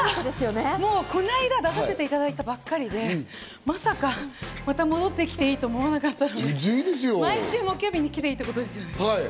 この間、出させていただいたばっかりで、まさかまた戻ってきていいと思わなかったので、毎週木曜日に来ていいってことですよね？